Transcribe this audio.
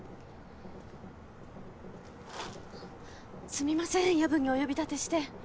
すみません夜分にお呼び立てして。